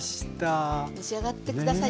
召し上がって下さい。